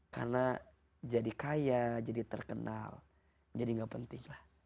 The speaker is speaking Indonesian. karena jadi kaya jadi terkenal jadi gak penting